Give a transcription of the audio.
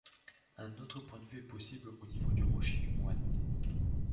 Un autre point de vue est possible au niveau du rocher du Moine.